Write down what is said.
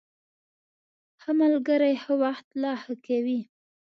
ښه ملګري ښه وخت لا ښه کوي.